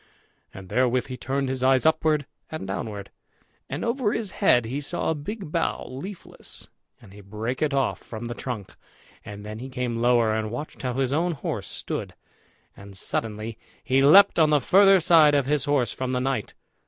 And therewith he turned his eyes upward and downward; and over his head he saw a big bough leafless, and he brake it off from the trunk. And then he came lower, and watched how his own horse stood; and suddenly he leapt on the further side of his horse from the knight.